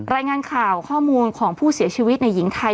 รายงานข่าวข้อมูลของผู้เสียชีวิตในหญิงไทย